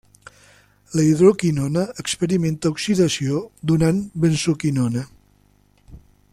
La Hidroquinona experimenta oxidació donant benzoquinona.